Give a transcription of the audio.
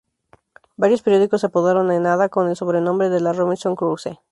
Varios periódicos apodaron a Ada con el sobrenombre de "la Robinson Crusoe".